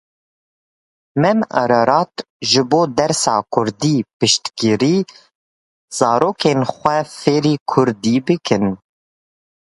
Mem Arart ji bo dersa kurdî piştgirî, zarokên xwe fêrî kurdî bikin.